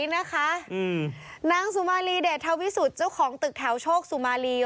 นางสุมารีเดชวิสุทธิ์เจ้าของตึกแถวโชคสุมารี